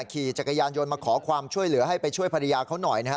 ขี่จักรยานยนต์มาขอความช่วยเหลือให้ไปช่วยภรรยาเขาหน่อยนะครับ